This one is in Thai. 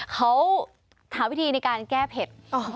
เขาหาวิธีในการแก้เผ็ด